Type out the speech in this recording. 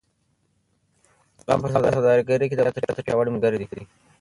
زغم په سوداګرۍ کې د بریا تر ټولو پیاوړی ملګری دی.